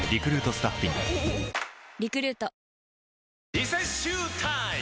リセッシュータイム！